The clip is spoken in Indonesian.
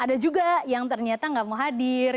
ada juga yang ternyata nggak mau hadir